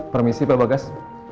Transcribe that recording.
permisi pak bagas